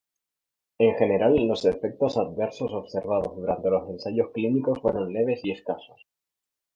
En general, los efectos adversos observados durante los ensayos clínicos fueron leves y escasos.